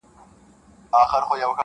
لاس یې مات وار یې خطا ګذار یې پوچ کړې,